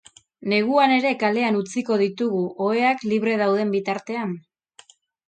Neguan ere kalean utziko ditugu, oheak libre dauden bitartean?